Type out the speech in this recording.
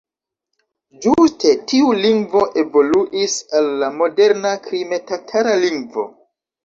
Ĝuste tiu lingvo evoluis al la moderna krime-tatara lingvo.